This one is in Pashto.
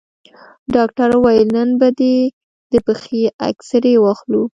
ډاکتر وويل نن به دې د پښې اكسرې واخلو.